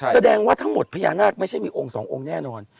แสดงว่าทั้งหมดพญานาคไม่ใช่มีองค์สององค์แน่นอน